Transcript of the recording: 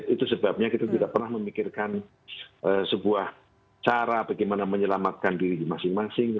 itu sebabnya kita tidak pernah memikirkan sebuah cara bagaimana menyelamatkan diri masing masing